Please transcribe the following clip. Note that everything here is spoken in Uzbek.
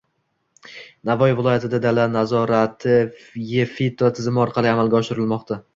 Navoiy viloyatida dala nazorati “Ye-Fito” tizimi orqali amalga oshirilmoqda